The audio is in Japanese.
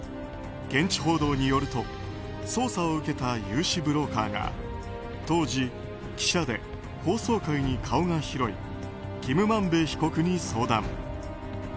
現地報道によると捜査を受けた融資ブローカーが当時、記者で法曹界に顔が広いキム・マンベ被告に相談。